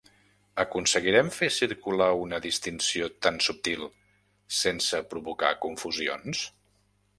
¿Aconseguirem fer circular una distinció tan subtil sense provocar confusions?